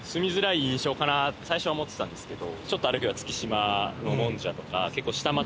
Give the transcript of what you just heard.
最初は思ってたんですけど。